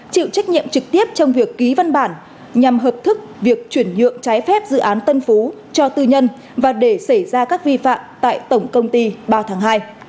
chịu trách nhiệm trực tiếp trong việc ký văn bản nhằm hợp thức việc chuyển nhượng trái phép dự án tân phú cho tư nhân và để xảy ra các vi phạm tại tổng công ty bao tháng hai